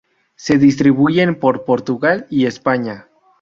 Se distribuyen por Portugal y España.